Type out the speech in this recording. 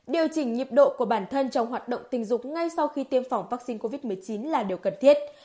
điều chỉnh nhịp độ của bản thân trong hoạt động tình dục ngay sau khi tiêm phòng vaccine covid một mươi chín là điều cần thiết